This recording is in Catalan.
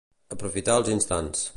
Aprofitar els instants.